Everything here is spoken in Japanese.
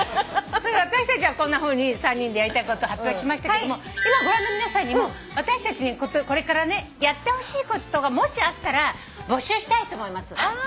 私たちはこんなふうに３人でやりたいこと発表しましたけど今ご覧の皆さんにも私たちにこれからねやってほしいことがもしあったら募集したいと思います。